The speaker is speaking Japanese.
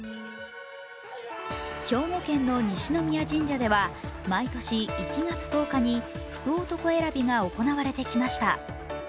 兵庫県の西宮神社では毎年１月１０日に福男選びが行われてきました。